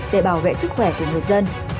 để bảo vệ sức khỏe của người dân